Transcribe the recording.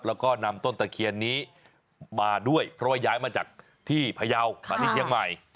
แล้วก็นำต้นตะเคียนนี้มาด้วยเพราะว่าย้ายมาจากที่พยาวมาที่เชียงใหม่